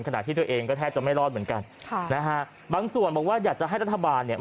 ที่ตัวเองก็แทบจะไม่รอดเหมือนกันค่ะนะฮะบางส่วนบอกว่าอยากจะให้รัฐบาลเนี่ย